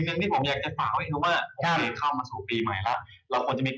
ปีนี้สตาร์ทปีใหม่